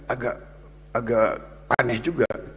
agak aneh juga